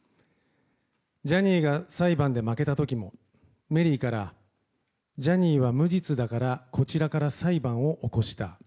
ジャニーが裁判で負けた時もメリーからジャニーは無実だからこちらから裁判を起こした。